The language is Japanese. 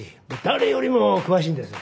誰よりも詳しいんです。